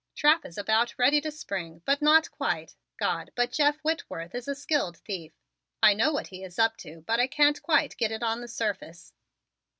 "Trap is about ready to spring, but not quite. God, but Jeff Whitworth is a skilled thief! I know what he is up to but I can't quite get it on the surface.